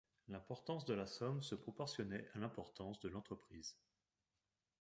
L’importance de la somme se proportionnait à l’importance de l’entreprise.